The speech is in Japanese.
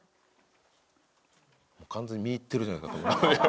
完全に見入ってるじゃないですか。